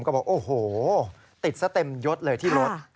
ก็บอกโอ้โหติดซะเต็มยดเลยที่รถ